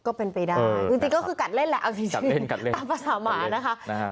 ก็เป็นไปได้จริงจริงก็คือกัดเล่นแหละเอาจริงจริงตามประสามารถนะคะ